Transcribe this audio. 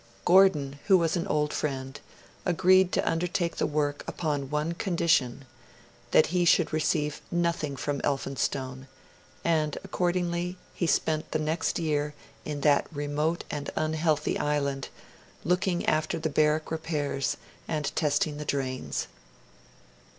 Gordon, who was an old friend, agreed to undertake the work upon one condition: that he should receive nothing from Elphinstone; and accordingly, he spent the next year in that remote and unhealthy island, looking after the barrack repairs and testing the drains.